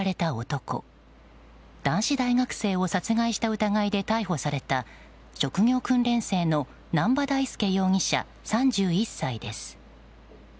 男子大学生を殺害した疑いで逮捕された職業訓練生の南波大祐容疑者、３１歳です。